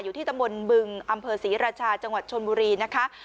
อยู่ที่ตำบลบึงอำเภอศรีราชาจังหวัดชนบุรีนะคะ